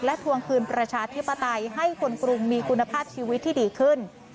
และทวงคืนประชาธิปไตยให้คนกรุงมีคุณภาพชีวิตที่ดีขึ้น